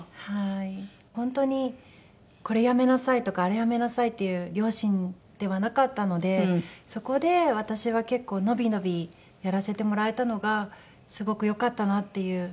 本当に「これやめなさい」とか「あれやめなさい」って言う両親ではなかったのでそこで私は結構伸び伸びやらせてもらえたのがすごくよかったなっていうのは思って。